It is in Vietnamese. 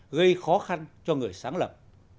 gây khó khăn cho người sáng lập